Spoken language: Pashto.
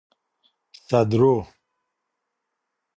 سدرو